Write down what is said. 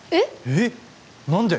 えっ！？何で？